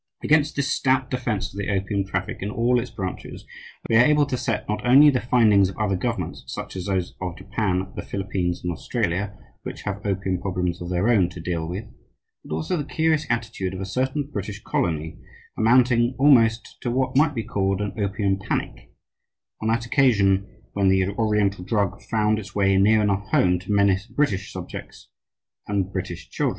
Against this stout defense of the opium traffic in all its branches, we are able to set not only the findings of other governments, such as those of Japan, the Philippines, and Australia, which have opium problems of their own to deal with, but also the curious attitude of a certain British colony, amounting almost to what might be called an opium panic, on that occasion when the Oriental drug found its way near enough home to menace British subjects and British children.